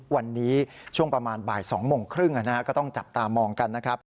วันนี้ช่วงประมาณบ่าย๒โมงครึ่งก็ต้องจับตามองกันนะครับ